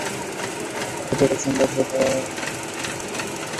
তাদের গতকাল সোমবার জেলার মুখ্য বিচারিক হাকিমের আদালতে সোপর্দ করা হয়েছে।